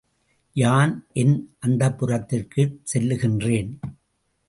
யான் என் அந்தப்புரத்திற்குச் செல்லுகின்றேன்.